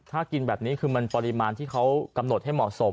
ถ้ากินแบบนี้คือมันปริมาณที่เขากำหนดให้เหมาะสม